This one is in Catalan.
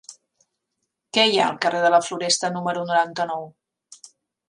Què hi ha al carrer de la Floresta número noranta-nou?